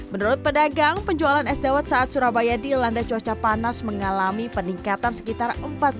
menurut pedagang penjualan es dawet saat surabaya dilanda cuaca panas mengalami peningkatan sekitar